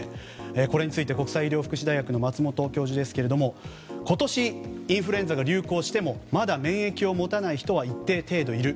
これについて国際医療福祉大学の松本教授ですけれども今年インフルエンザが流行してもまだ免疫を持たない人は一定程度いる。